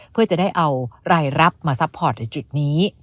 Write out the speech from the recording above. เพื่อจะได้เอารายรับมาซัพพอร์ตในจุดนี้